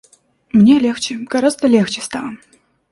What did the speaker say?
Мне легче, гораздо легче стало.